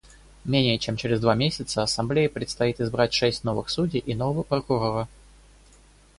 Менее чем через два месяца Ассамблее предстоит избрать шесть новых судей и нового прокурора.